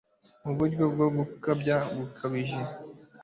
Muburyo bwo gukabya gukabije